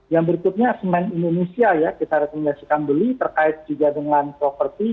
yang berikutnya semen indonesia ya kita rekomendasikan beli terkait juga dengan properti